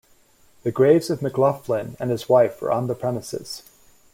The graves of McLoughlin and his wife are on the premises.